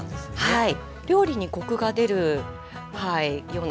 はい。